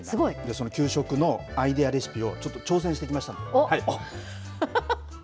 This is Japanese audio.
その給食のアイデアレシピを、ちょっと挑戦してきましたんで。